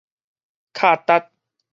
卡達